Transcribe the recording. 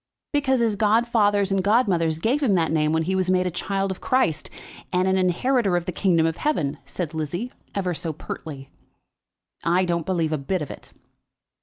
"Because his godfathers and godmothers gave him that name when he was made a child of Christ, and an inheritor of the kingdom of heaven," said Lizzie, ever so pertly. "I don't believe a bit of it."